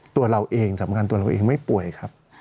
ตัวเราเองสำคัญตัวเราเองไม่ป่วยครับ